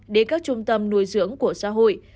để các trung tâm nuôi dưỡng của xã hội